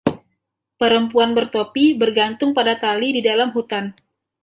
Perempuan bertopi bergantung pada tali di dalam hutan.